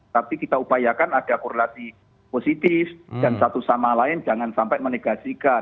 tapi kita upayakan ada korelasi positif dan satu sama lain jangan sampai menegasikan